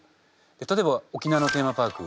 例えば沖縄のテーマパーク